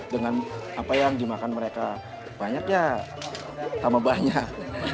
dengan apa yang dimakan mereka banyak ya tambah banyak